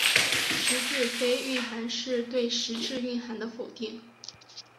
实质非蕴涵是对实质蕴涵的否定。